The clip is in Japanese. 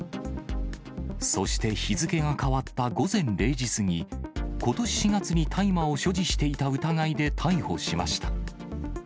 そして日付が変わった午前０時過ぎ、ことし４月に大麻を所持していた疑いで逮捕しました。